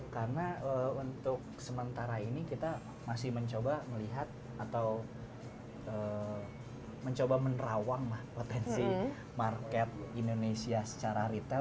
karena untuk sementara ini kita masih mencoba melihat atau mencoba menerawang potensi market indonesia secara retail